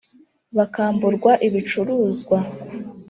bakamburwa ibicuruzwa